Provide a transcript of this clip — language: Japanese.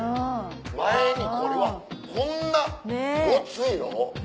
前にこれうわこんなごついの？